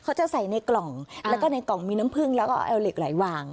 เขาจะใส่ในกล่องแล้วก็ในกล่องมีน้ำผึ้งแล้วก็เอาเหล็กไหลวาง